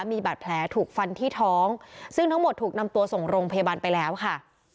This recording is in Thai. มีบาดแผลถูกฟันที่ท้องซึ่งทั้งหมดถูกนำตัวส่งโรงพยาบาลไปแล้วค่ะ